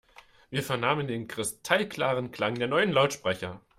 Wir vernahmen den kristallklaren Klang der neuen Lautsprecher.